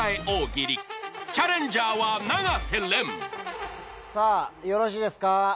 大喜利チャレンジャーは永瀬廉さぁよろしいですか？